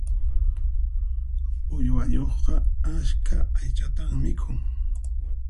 Uywayuqqa askha aychatan mikhun.